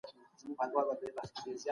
حضوري زده کړه عملي تمرينونه اسانه کوي.